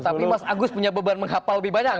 tapi mas agus punya beban menghafal lebih banyak gak